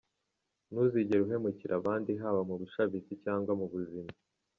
Ntuzigere uhemukira abandi haba mu bushabitsi cyangwa mu buzima.